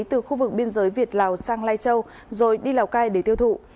từ khu vực biên giới việt lào sang lai châu rồi đi lào cai để tiêu thụ